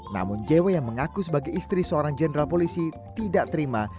namun jw yang mengaku sebagai istri seorang jenderal polisi tidak terima